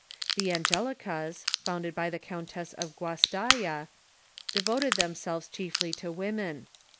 The Angelicas, founded by the Countess Guastalla, devoted themselves chiefly to women.